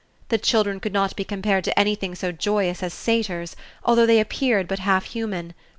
The children could not be compared to anything so joyous as satyrs, although they appeared but half human.